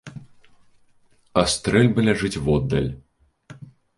А стрэльба ляжыць воддаль.